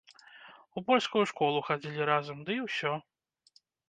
У польскую школу хадзілі разам ды і ўсё.